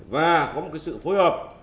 và có một sự phối hợp